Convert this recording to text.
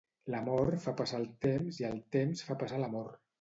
L'amor fa passar el temps i el temps fa passar l'amor.